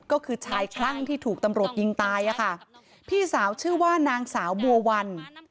ก็คือชายคลั่งที่ถูกตำรวจยิงตายอะค่ะพี่สาวชื่อว่านางสาวบัววัน